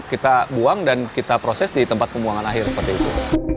kita buang dan kita proses di tempat pembuangan akhir seperti itu